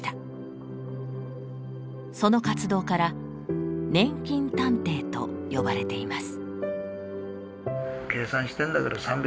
その活動から「年金探偵」と呼ばれています。